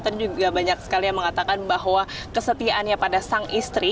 tadi juga banyak sekali yang mengatakan bahwa kesetiaannya pada sang istri